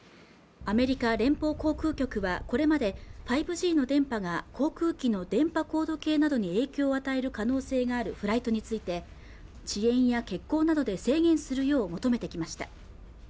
アメリカ連邦航空局はこれまで５Ｇの電波が航空機の電波高度計などに影響を与える可能性があるフライトについて遅延や欠航などで制限するよう求めてきました